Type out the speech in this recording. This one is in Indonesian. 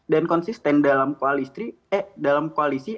dan konsisten dalam koalisi